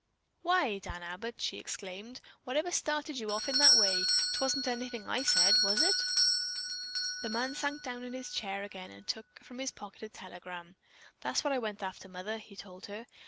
"Why, Dan Abbott," she exclaimed, "whatever started you off in that way? 'Twasn't anything I said, was it?" The man sank down in his chair again and took from his pocket a telegram. "That's what I went after, mother," he told her.